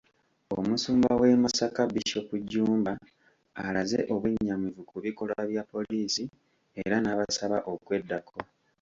Omusumba w'e Masaka, Bishop Jjumba, alaze obwennyamivu ku bikolwa bya poliisi era n'abasaba okweddako.